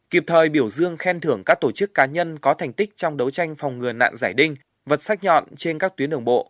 kịp thời biểu dương khen thưởng các tổ chức cá nhân có thành tích trong đấu tranh phòng ngừa nạn giải đinh vật sắc nhọn trên các tuyến đường bộ